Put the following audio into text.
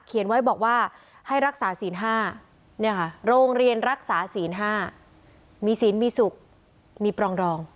เขียนไว้บอกว่าให้รักษาศีล๕เนี่ยค่ะโรงเรียนรักษาศีล๕มีศีลมีศุกร์มีปรองรอง